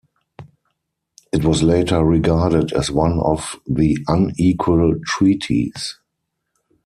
It was later regarded as one of the "Unequal Treaties".